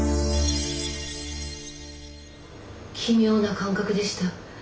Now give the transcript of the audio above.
奇妙な感覚でした。